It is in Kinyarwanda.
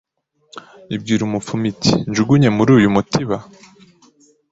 Ibwira umupfumu iti njugunye muri uyu mutiba